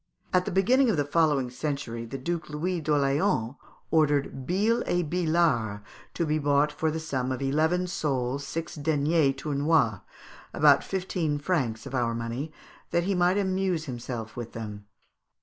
At the beginning of the following century the Duke Louis d'Orleans ordered billes et billars to be bought for the sum of eleven sols six deniers tournois (about fifteen francs of our money), that he might amuse himself with them.